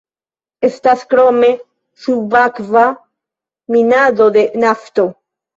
Estas krome subakva minado de nafto.